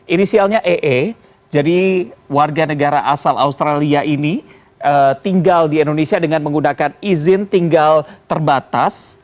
inisialnya ee jadi warga negara asal australia ini tinggal di indonesia dengan menggunakan izin tinggal terbatas